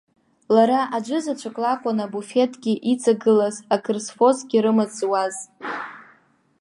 Лара аӡәзаҵәык лакәын абуфеҭгьы иҵагылаз акрызфозгьы рымаҵ зуаз.